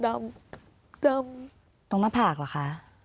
ตรงหน้าผากเหรอคะ